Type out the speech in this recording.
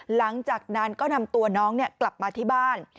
หลังจากนั้นก็นำตัวน้องกลับมาที่บ้าน